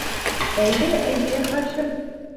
Эйе, эйе, Хашим.